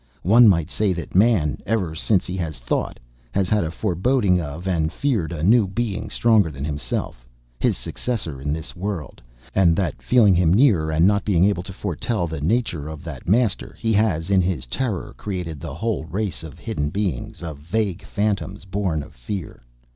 One might say that man, ever since he has thought, has had a foreboding of, and feared a new being, stronger than himself, his successor in this world, and that, feeling him near, and not being able to foretell the nature of that master, he has, in his terror, created the whole race of hidden beings, of vague phantoms born of fear.